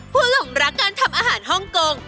หลงรักการทำอาหารฮ่องกง